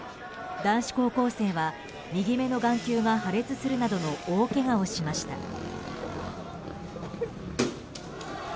男子高校生は右目の眼球が破裂するなどの大けがをしました。